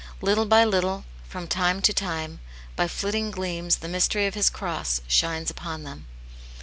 Little by little, from time to time, by flitting gleams the mystery of His cross shines upon them.